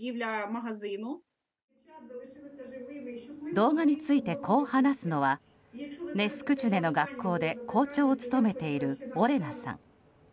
動画について、こう話すのはネスクチュネの学校で校長を務めているオレナさん。